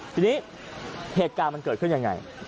ที่นี้เหตุการณ์เกิดขึ้นอย่างไร